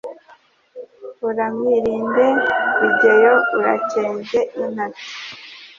Uramwirinde Bigeyo Urakenge intati